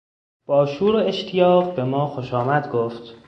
با شور و اشتیاق به ما خوشامد گفت.